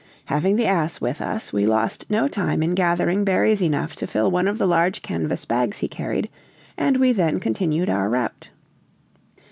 Having the ass with us, we lost no time in gathering berries enough to fill one of the large canvas bags he carried, and we then continued our route.